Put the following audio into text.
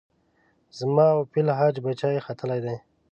زما او فامیل حج پچې ختلې دي.